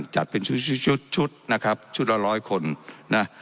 จัดเป็นชุดชุดชุดนะครับชุดละร้อยคนนะ